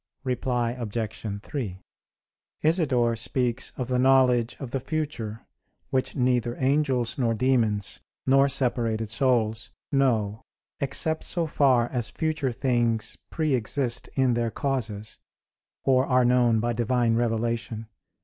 Reply Obj. 3: Isidore speaks of the knowledge of the future which neither angels, nor demons, nor separated souls, know except so far as future things pre exist in their causes or are known by Divine revelation.